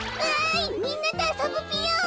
いみんなとあそぶぴよん。